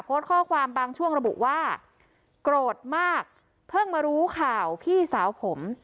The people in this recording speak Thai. โพสต์ข้อความบางช่วงระบุว่าโกรธมากเพิ่งมารู้ข่าวพี่สาวผม